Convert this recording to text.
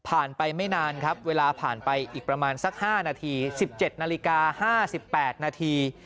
ไปไม่นานครับเวลาผ่านไปอีกประมาณสัก๕นาที๑๗นาฬิกา๕๘นาที